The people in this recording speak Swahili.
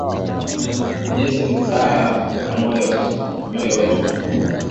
Yesu ni furah ya myoyo yetu